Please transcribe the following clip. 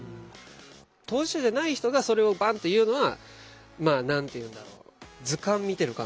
当事者じゃない人がそれをバンって言うのはまあ何て言うんだろう